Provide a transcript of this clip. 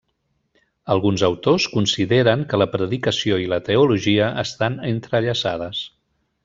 Alguns autors consideren que la predicació i la teologia estan entrellaçades.